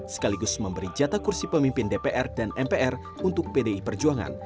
sekaligus memberi jatah kursi pemimpin dpr dan mpr untuk pdi perjuangan